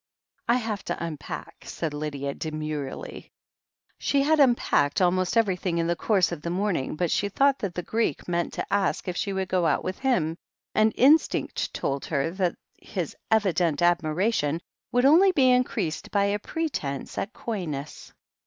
"I have to unpack," said Lydia demurely. She had unpacked almost everything in the course of the morning, but she thought that the Greek meant to ask if she would go out with him, and instinct told her that his evident admiration would only be increased by a pretence at coyness.